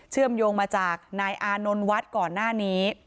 เชื่อมโยงมาจากนายอานนท์วัดก่อนหน้านี้